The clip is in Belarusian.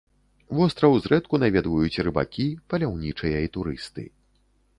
Востраў зрэдку наведваюць рыбакі, паляўнічыя і турысты.